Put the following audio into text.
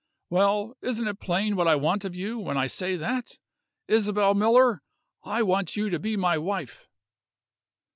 Well? Isn't it plain what I want of you, when I say that? Isabel Miller, I want you to be my wife!"